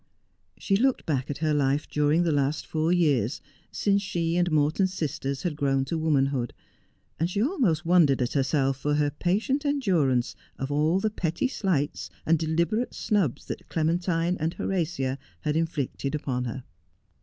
She looked back at her life during the last four years, since she and Morton's sisters had grown to womanhood ; and she almost wondered at herself for her patient endurance of all the petty slights and deliberate snubs that Clementine and Horatia had inflicted upon her.